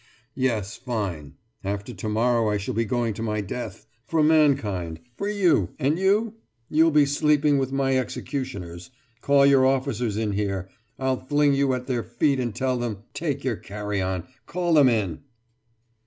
»Yes, fine. After tomorrow I shall be going to my death, for mankind, for you ... and you? You'll be sleeping with my executioners. Call your officers in here! I'll fling you at their feet and tell them, 'Take your carrion!' Call them in!